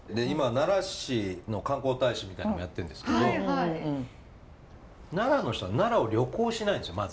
今奈良市の観光大使みたいなのもやってんですけど奈良の人は奈良を旅行しないんですよ